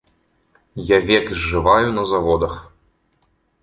Я век зжываю на заводах.